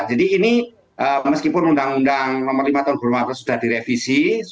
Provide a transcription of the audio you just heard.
jadi ini meskipun undang undang nomor lima tahun belum ada sudah direvisi